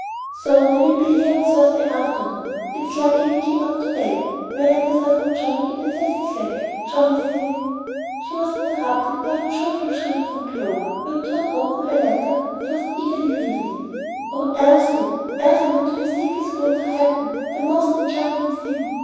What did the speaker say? "So they will get here on Thursday afternoon. It's lucky we came up to day. My letters are from Johnnie and Cecy Slack. Johnnie says " She was interrupted by a joyful shriek from Clover, who had torn open her letter and was eagerly reading it. "Oh, Elsie, Elsie, what do you think is going to happen? The most enchanting thing!